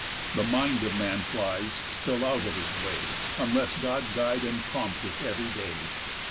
_The mind of man flies still out of his way, Unless God guide and prompt it ev'ry day.